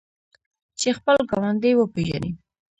چې خپل ګاونډی وپیژني.